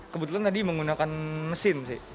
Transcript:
kebetulan tadi menggunakan mesin sih